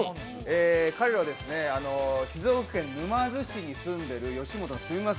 彼らは静岡県沼津市に住んでいる吉本の住みます